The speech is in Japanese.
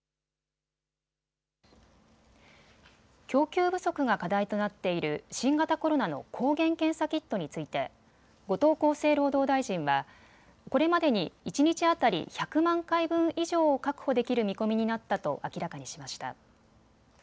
供給不足が課題となっている新型コロナの抗原検査キットについて後藤厚生労働大臣はこれまでに一日当たり１００万回分以上を確保できる見込みになったと明らかにしました。